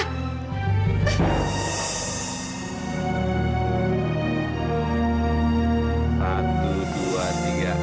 satu dua tiga